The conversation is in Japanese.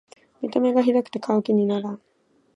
見た目がひどくて買う気にならん